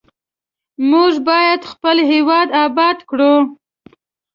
موږ باید خپل هیواد آباد کړو.